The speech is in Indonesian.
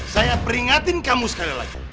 saya peringatin kamu sekali lagi